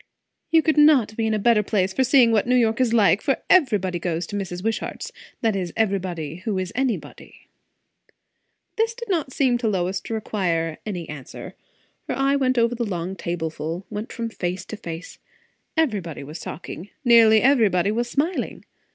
"You could not be in a better place for seeing what New York is like, for everybody goes to Mrs. Wishart's; that is, everybody who is anybody." This did not seem to Lois to require any answer. Her eye went over the long tableful; went from face to face. Everybody was talking, nearly everybody was smiling.